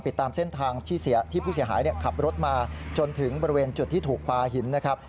ติดตามเส้นทางที่ผู้เสียหายขับรถมาจนถึงบริเวณจุดที่ถูกปลาหินนะครับ